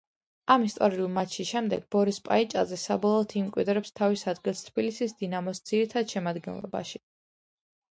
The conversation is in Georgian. ამ ისტორიული მატჩის შემდეგ ბორის პაიჭაძე საბოლოოდ იმკვიდრებს თავის ადგილს თბილისის „დინამოს“ ძირითად შემადგენლობაში.